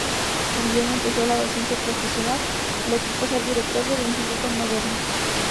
Ni bien empezó la docencia profesional, le cupo ser director del Instituto Moderno.